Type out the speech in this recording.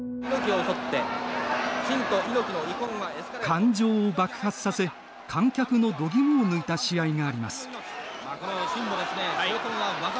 感情を爆発させ、観客のどぎもを抜いた試合があります。